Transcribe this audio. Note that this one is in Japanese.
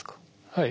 はい。